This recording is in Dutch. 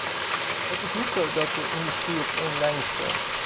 Het is niet zo dat de industrie op één lijn stond.